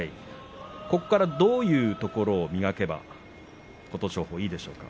これからはどういうところを磨けばいいですか。